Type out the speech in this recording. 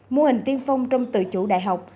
mô hình tiên phong trong tự chủ đại học